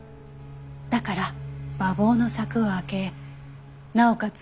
だから馬房の柵を開けなおかつ